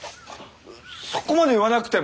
そこまで言わなくても！